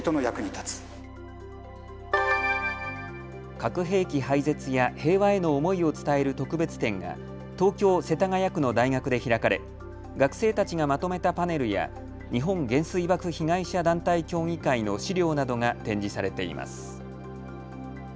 核兵器廃絶や平和への思いを伝える特別展が東京世田谷区の大学で開かれ学生たちがまとめたパネルや日本原水爆被害者団体協議会の資料などが展示されています。